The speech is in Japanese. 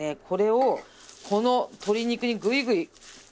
これをこの鶏肉にグイグイ。